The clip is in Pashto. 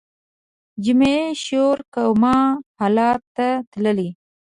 جمعي شعور کوما حالت ته تللی